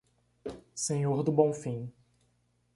Senhor do Bonfim